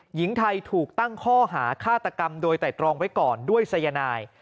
หญิงไทยถูกตั้งข้อหาฆาตกรรมโดยแต่ตรองไว้ก่อนด้วยสายนาย